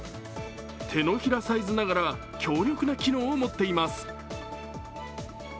手のひらサイズながら強力な機能を持っています。